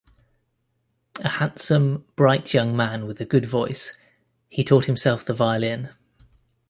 A handsome, bright young man with a good voice, he taught himself the violin.